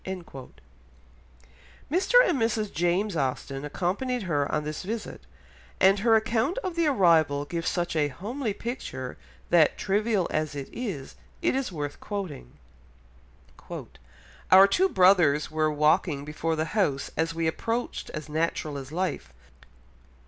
[Illustration: FASHIONS FOR LADIES IN 1795] Mr. and Mrs. James Austen accompanied her on this visit, and her account of the arrival gives such a homely picture that, trivial as it is, it is worth quoting. "Our two brothers were walking before the house as we approached as natural as life.